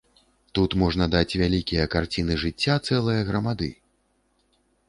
Тут можна даць вялікія карціны жыцця цэлае грамады.